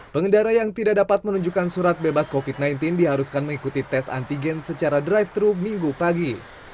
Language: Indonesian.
pengendara yang tidak dapat menunjukkan surat bebas covid sembilan belas diharuskan mengikuti tes antigen secara drive thru minggu pagi